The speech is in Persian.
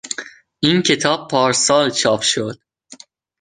این کتاب پارسال چاپ شد.